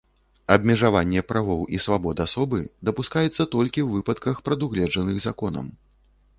Абмежаванне правоў і свабод асобы дапускаецца толькі ў выпадках, прадугледжаных законам.